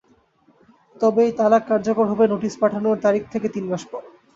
তবে এই তালাক কার্যকর হবে নোটিশ পাঠানোর তারিখ থেকে তিন মাস পর।